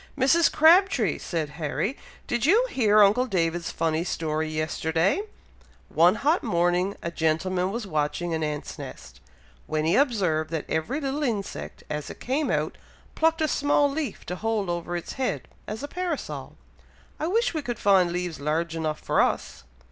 "Mrs. Crabtree!" said Harry, "did you hear uncle David's funny story yesterday? One hot morning a gentleman was watching an ant's nest, when he observed, that every little insect, as it came out, plucked a small leaf, to hold over its head, as a parasol! I wish we could find leaves large enough for us."